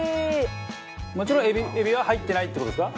もちろんエビは入ってないって事ですか？